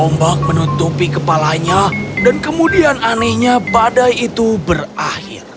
ombak menutupi kepalanya dan kemudian anehnya badai itu berakhir